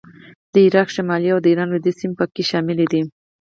د عراق شمالي او د ایران لوېدیځې سیمې په کې شاملې دي